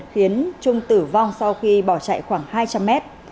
khiến trung tử vong sau khi bỏ chạy khoảng hai trăm linh mét